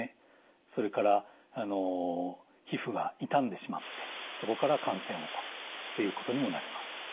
それから皮膚が傷んでしまってそこから感染を起こすっていうことにもなります。